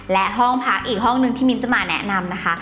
และห้องพักอีกห้องหนึ่งที่มิ้นจะมาแนะนำนะคะ